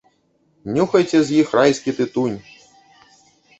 Нюхайце з іх райскі тытунь!